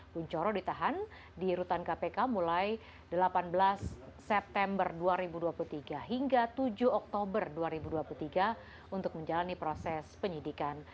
kunchoro ditahan di rutan kpk mulai delapan belas september dua ribu dua puluh tiga hingga tujuh oktober dua ribu dua puluh tiga untuk menjalani proses penyidikan